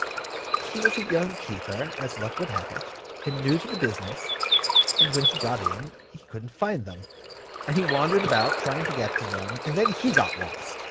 He was a young keeper, as luck would have it, and new to the business; and when he got in, he couldn't find them, and he wandered about, trying to get to them, and then he got lost.